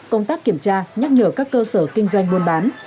công tác kiểm tra nhắc nhở các cơ sở kinh doanh buôn bán